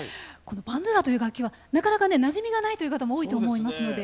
バンドゥーラという楽器はなかなか、なじみがない方も多いと思いますので。